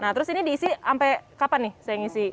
nah terus ini diisi sampai kapan nih saya ngisi